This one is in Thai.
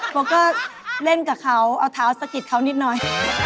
เขาก็เล่นกับเขาเอาเท้าสะกิดเขานิดหน่อย